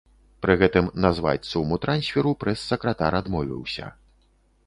Пры гэтым назваць суму трансферу прэс-сакратар адмовіўся.